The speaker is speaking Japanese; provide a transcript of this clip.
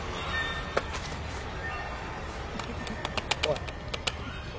おい！